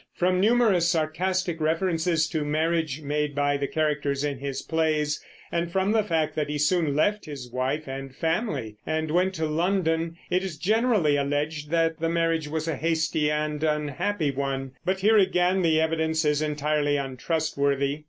From numerous sarcastic references to marriage made by the characters in his plays, and from the fact that he soon left his wife and family and went to London, it is generally alleged that the marriage was a hasty and unhappy one; but here again the evidence is entirely untrustworthy.